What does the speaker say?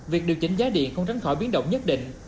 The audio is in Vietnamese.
việc điều chỉnh giá điện không tránh khỏi biến động nhất định